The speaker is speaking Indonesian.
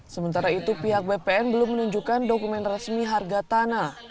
sementara itu pihak bpn belum menunjukkan dokumen resmi harga tanah